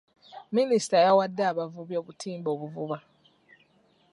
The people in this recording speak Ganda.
Minisita yawadde abavubi obutimba obuvuba.